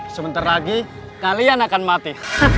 sebentar lagi kalian akan mati